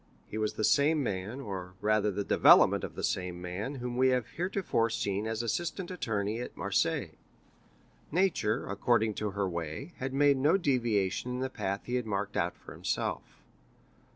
He was the same man, or rather the development of the same man, whom we have heretofore seen as assistant attorney at Marseilles. Nature, according to her way, had made no deviation in the path he had marked out for himself.